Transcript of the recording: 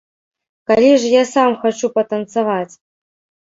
Калі ж я сам хачу патанцаваць.